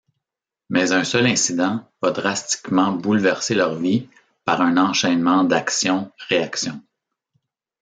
Mais un seul incident va drastiquement bouleverser leurs vies par un enchaînement d'actions-réactions.